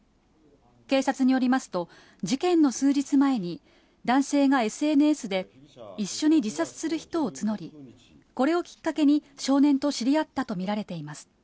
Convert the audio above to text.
警察によりますと、事件の数日前に、男性がＳＮＳで、一緒に自殺する人を募り、これをきっかけに少年と知り合ったと見られています。